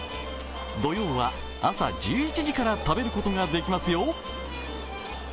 土曜は朝１１時から食べることができますよ。